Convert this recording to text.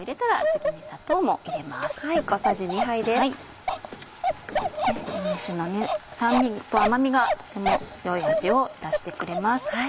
梅酒の酸味と甘味がとても良い味を出してくれます。